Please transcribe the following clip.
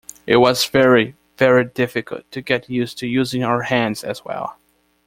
It was very, very difficult to get used to using our hands as well.